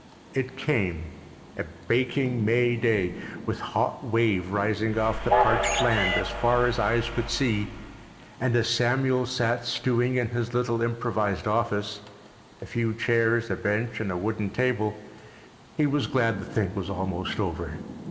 It came—a baking May day, with hot wave rising off the parched land as far as eyes could see, and as Samuel sat stewing in his little improvised office—a few chairs, a bench, and a wooden table—he was glad the thing was almost over.